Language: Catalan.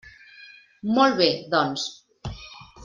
Molt bé, doncs.